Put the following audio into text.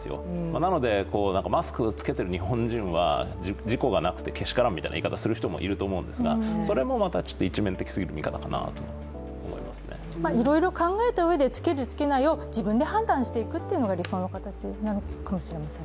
なので、マスクを着けている日本人は自己がこなくてけしからんみたいな言い方をする人もいるかもしれませんが、それもまた一面的すぎる見方かなと思いますねいろいろ考えたうえで、着ける、着けないを自分で判断していくことが理想的な形なのかもしれませんね。